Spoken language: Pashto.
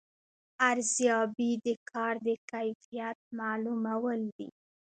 ارزیابي د کار د کیفیت معلومول دي